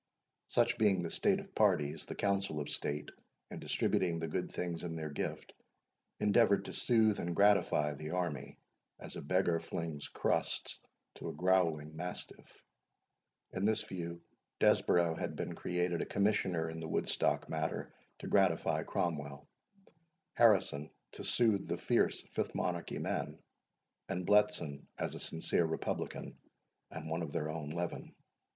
Such being the state of parties, the Council of State, in distributing the good things in their gift, endeavoured to soothe and gratify the army, as a beggar flings crusts to a growling mastiff. In this view Desborough had been created a Commissioner in the Woodstock matter to gratify Cromwell, Harrison to soothe the fierce Fifth Monarchy men, and Bletson as a sincere republican, and one of their own leaven.